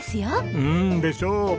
うんでしょう。